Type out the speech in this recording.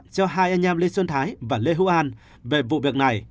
cho hai anh em lê xuân thái và lê hữu an về vụ việc này